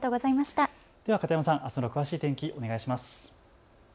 では片山さん、あすの詳しい天気、お願いします。